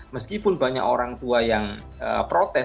meskipun banyak orang tua yang protes